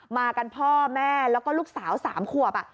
มากันพ่อแม่แล้วก็ลูกสาว๓ขวบ